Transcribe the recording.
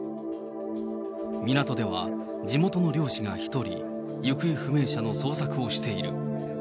港では地元の漁師が１人、行方不明者の捜索をしている。